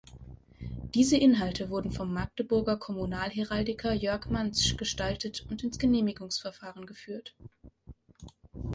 Diese Inhalte wurden vom Magdeburger Kommunalheraldiker Jörg Mantzsch gestaltet und ins Genehmigungsverfahren geführt.